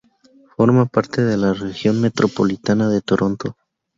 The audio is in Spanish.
Forma parte de la Región Metropolitana de Toronto.